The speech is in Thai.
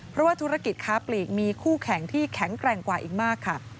เพราะว่าธุรกิจค้าปลีกมีคู่แข่งที่แข็งแกร่งกว่าอีกมากค่ะ